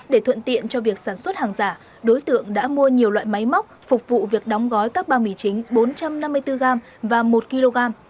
để thuận tiện cho việc sản xuất hàng giả đối tượng đã mua nhiều loại máy móc phục vụ việc đóng gói các bao mì chính bốn trăm năm mươi bốn gram và một kg